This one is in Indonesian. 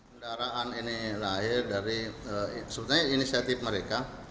kendaraan ini lahir dari sebetulnya inisiatif mereka